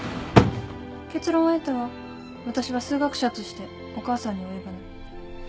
私は数学者としてお母さんに及ばない